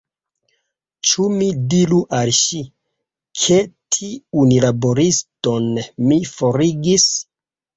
Ĉu mi diru al ŝi, ke tiun laboristinon mi forigis?